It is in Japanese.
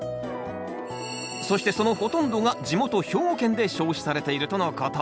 そしてそのほとんどが地元兵庫県で消費されているとのこと。